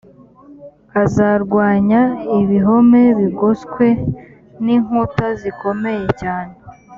azarwanya ibihome bigoswe n inkuta zikomeye cyane